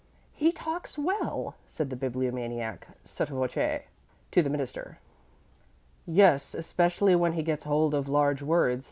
"He talks well," said the Bibliomaniac, sotto voce, to the Minister. "Yes, especially when he gets hold of large words.